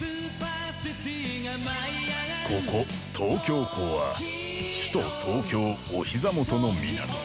ここ東京港は首都東京お膝元の港。